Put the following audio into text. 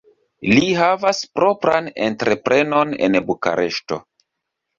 Li havas propran entreprenon en Bukareŝto.